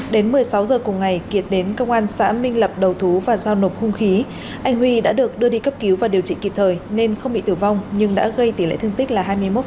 đến một mươi sáu giờ cùng ngày kiệt đến công an xã minh lập đầu thú và giao nộp hung khí anh huy đã được đưa đi cấp cứu và điều trị kịp thời nên không bị tử vong nhưng đã gây tỷ lệ thương tích là hai mươi một